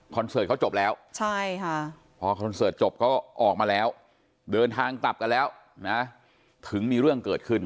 เสิร์ตเขาจบแล้วใช่ค่ะพอคอนเสิร์ตจบก็ออกมาแล้วเดินทางกลับกันแล้วนะถึงมีเรื่องเกิดขึ้น